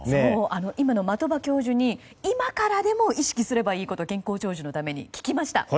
今の的場教授に今からでも意識すればいいこと健康長寿のために、というのを聞きました。